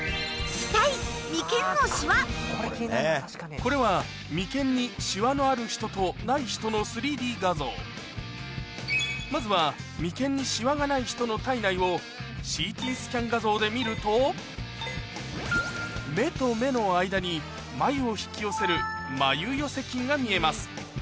これは眉間にシワのある人とない人の３Ｄ画像まずは眉間にシワがない人の体内をＣＴスキャン画像で見ると目と目の間にまゆを引き寄せるまゆ寄せ筋が見えます